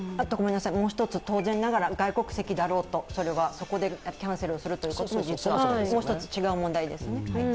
もう一つ当然ながら外国籍だろうと、そこでキャンセルするということはもう一つ違う問題ですね。